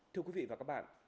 thưa quý vị và các bạn